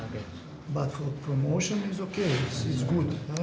tapi untuk promosi oke itu bagus